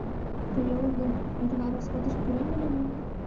— Тый огыл гын, мый тыгай роскотыш пурем ыле мо?..